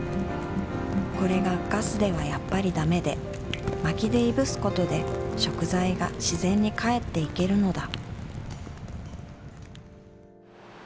これがガスではやっぱりダメで薪で燻すことで食材が自然に還っていけるのだ